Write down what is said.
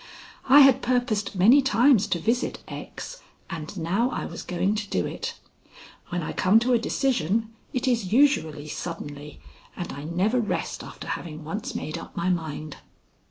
I had purposed many times to visit X., and now I was going to do it. When I come to a decision, it is usually suddenly, and I never rest after having once made up my mind.